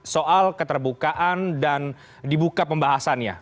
soal keterbukaan dan dibuka pembahasannya